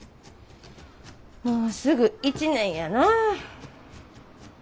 もうすぐ１年やな。